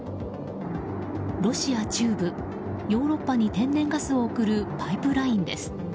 ロシア中部ヨーロッパに天然ガスを送るパイプラインです。